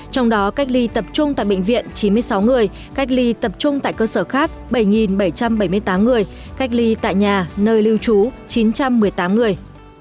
trong đó cách ly tập trung tại bệnh viện chín mươi sáu người cách ly tập trung tại cơ sở khác bảy bảy trăm bảy mươi tám người cách ly tại nhà nơi lưu trú chín trăm một mươi tám người